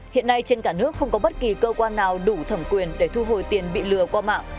hiện nay trên cả nước không có bất kỳ cơ quan nào đủ thẩm quyền để thu hồi tiền bị lừa qua mạng